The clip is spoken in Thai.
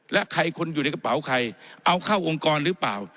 และใครคนอยู่ในกระเป๋าใครเอาเข้าองค์กรหรือเปล่า